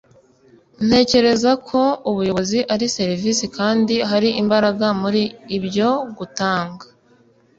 ntekereza ko ubuyobozi ari serivisi kandi hari imbaraga muri ibyo gutanga